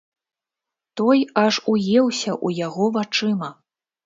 Той аж уеўся ў яго вачыма.